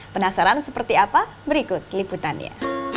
penasaran seperti apa berikut liputannya